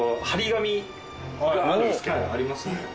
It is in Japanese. ありますね。